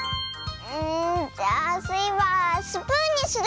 うんじゃあスイはスプーンにする！